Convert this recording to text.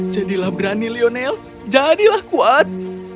jadilah berani lionel jadilah kuat